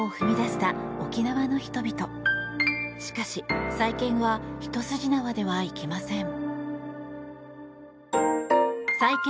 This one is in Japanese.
しかし、再建はひと筋縄ではいきません。